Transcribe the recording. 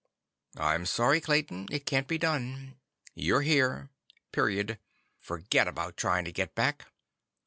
"I'm sorry, Clayton. It can't be done. You're here. Period. Forget about trying to get back.